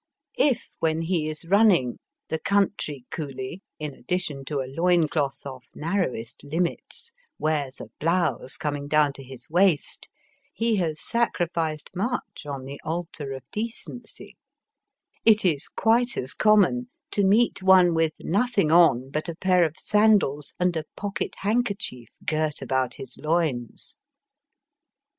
If when he is run ning the country cooHe, in addition to a loin cloth of narrowest limits, wears a blouse Digitized by VjOOQIC ACBOSS COUNTBY IN JINBIKISHAS. 237 coming down to his waist, he has sacrificed much on the altar of decency. It is quite as common to meet one with nothing on but a pair of sandals and a pocket handkerchief girt about his loins.